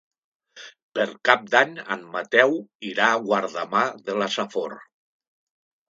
Per Cap d'Any en Mateu irà a Guardamar de la Safor.